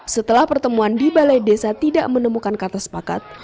setelah pertemuan di balai desa tidak menemukan kata sepakat